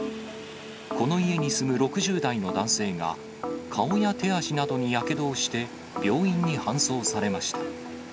この家に住む６０代の男性が、顔や手足などにやけどをして、病院に搬送されました。